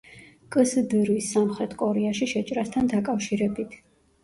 კსდრ-ის სამხრეთ კორეაში შეჭრასთან დაკავშირებით.